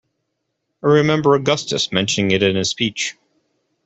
I remember Augustus mentioning it in his speech.